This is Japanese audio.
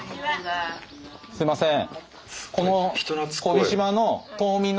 すいません。